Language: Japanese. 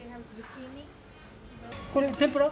これ、天ぷら？